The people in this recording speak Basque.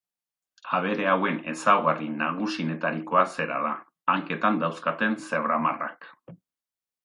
Abere hauen ezaugarri nagusienetarikoa zera da, hanketan dauzkaten zebra-marrak.